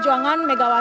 in kad dia